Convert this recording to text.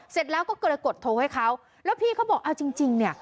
เสร็จแล้วก็กรกดโทรให้เขาแล้วพี่เขาบอกเอาจริงจริงเนี่ย